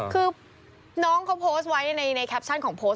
คือน้องเขาโพสต์ไว้ในแคปชั่นของโพสต์